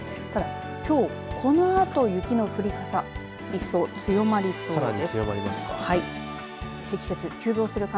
ただ、きょうこのあと雪の降り方一層、強まりそうです。